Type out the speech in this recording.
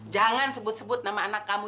jangan sebut sebut nama anak kamu